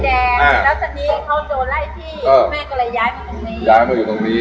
แล้วทีนี้เขาโดนไล่ที่พี่แม่ก็เลยย้ายมาตรงนี้